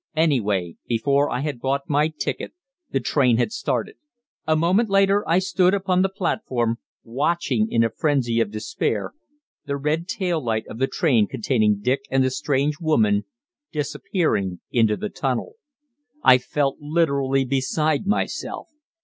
Anyway, before I had bought my ticket the train had started. A moment later I stood upon the platform, watching, in a frenzy of despair, the red tail light of the train containing Dick and the strange woman disappearing into the tunnel. I felt literally beside myself.